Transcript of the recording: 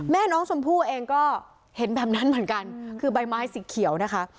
แม่น้องชมพู่เองก็เห็นแบบนั้นเหมือนกันคือใบไม้สีเขียวนะคะ